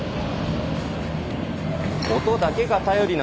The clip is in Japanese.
音だけが頼りな